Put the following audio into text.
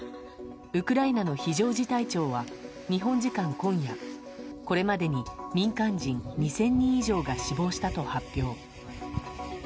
ウクライナの非常事態庁は日本時間今夜これまでに民間人２０００人以上が死亡したと発表。